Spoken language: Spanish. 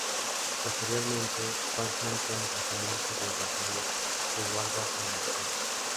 Posteriormente, fue adjunto al Regimiento de Infantería de Guardas en la Reserva.